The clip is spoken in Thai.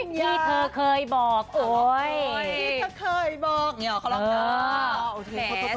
พี่กะเทยบอกอย่าขอโทษ